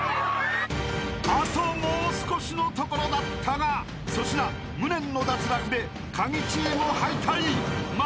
［あともう少しのところだったが粗品無念の脱落で］